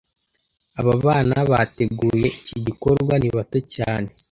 Aba bana bateguye iki gikorwa ni bato cyane